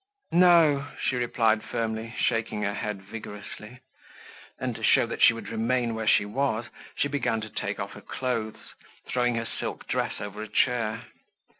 "No," she replied firmly, shaking her head vigorously. Then, to show that she would remain where she was, she began to take off her clothes, throwing her silk dress over a chair.